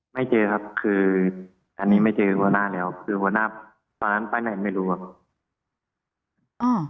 ไม่เจอครับคืออันนี้ไม่เจอหัวหน้าแล้วคือหัวหน้าตอนนั้นไปไหนไม่รู้ครับ